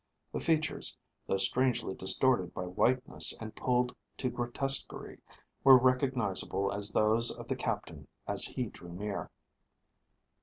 The features, though strangely distorted by whiteness and pulled to grotesquerie, were recognizable as those of the captain as he drew near.